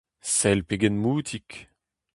Sell pegen moutik !